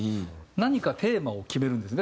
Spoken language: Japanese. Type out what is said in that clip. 何かテーマを決めるんですね。